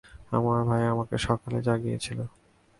আমার ভাই আমাকে সকালে জাগিয়েছিল।